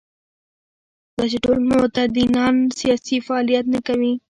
دا چې ټول متدینان سیاسي فعالیت نه کوي.